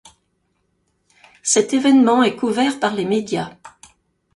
Cet événement est couvert par les médias.